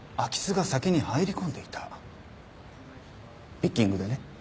ピッキングでね。